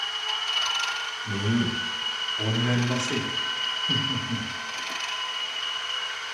มี โอนเงินมาสิ หึหึหึ